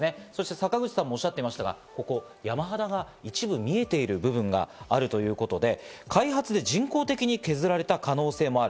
坂口さんもおっしゃっていましたが、ここ山肌が一部見えている部分があるということで開発で人工的に削られた可能性もある。